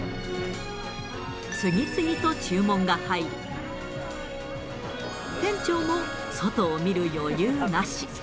次々と注文が入り、店長も外を見る余裕なし。